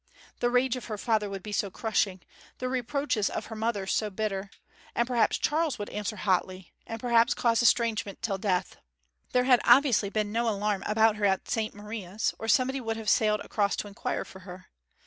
The rage of her father would be so crushing; the reproaches of her mother so bitter; and perhaps Charles would answer hotly, and perhaps cause estrangement till death. There had obviously been no alarm about her at St Maria's, or somebody would have sailed across to inquire for her.